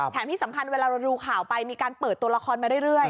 ที่สำคัญเวลาเราดูข่าวไปมีการเปิดตัวละครมาเรื่อย